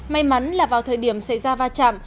may mắn là vào thời điểm xảy ra va chạm